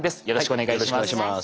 よろしくお願いします。